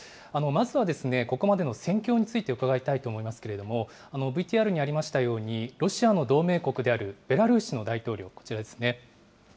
まずは、ここまでの戦況について伺いたいと思いますけれども、ＶＴＲにありましたように、ロシアの同盟国であるベラルーシの大統領、こちらですね。